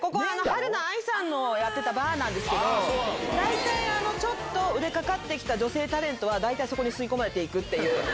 はるな愛さんのやってたバーなんですけどちょっと売れかかって来た女性タレントは大体そこに吸い込まれて行くっていう。